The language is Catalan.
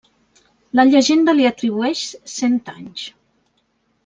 La llegenda li atribueix cent anys.